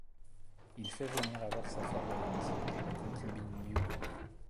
Il fait venir alors sa favorite, la concubine Yu.